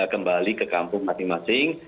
kembali ke kampung masing masing